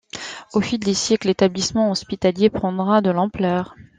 Au fil des siècles, l'établissement hospitalier prendra de l'ampleur.